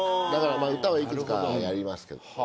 だからまあ歌はいくつかやりますけど。